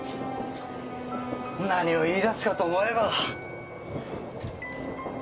何を言い出すかと思えば。